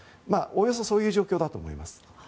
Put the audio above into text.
およそそういう状況だと思います。